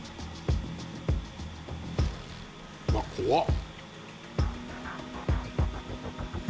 うわ怖っ！